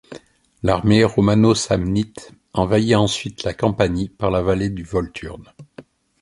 L'armée romano-samnite envahit ensuite la Campanie par la vallée du Volturne.